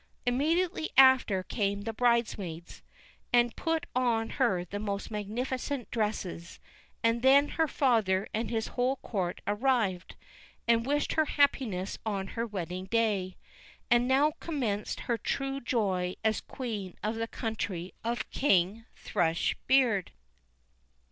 Immediately after came the bridesmaids, and put on her the most magnificent dresses; and then her father and his whole court arrived, and wished her happiness on her wedding day; and now commenced her true joy as queen of the country of King Thrush beard.